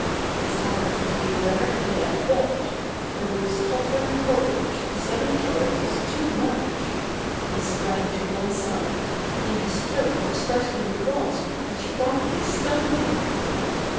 This happened to be directly at Dot, for whose tottering courage the sudden charge was too much! He sprang to one side, in his turn startling the wasp which promptly stung him.